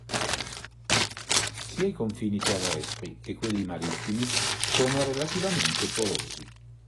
Sia i confini terrestri che quelli marittimi sono relativamente porosi.